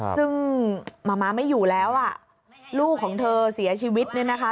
ซึ่งมะม้าไม่อยู่แล้วอ่ะลูกของเธอเสียชีวิตเนี่ยนะคะ